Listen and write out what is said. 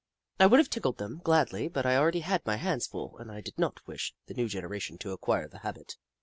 I would have tickled them, gladly, but I already had my hands full and I did not wish the new generation to acquire the habit.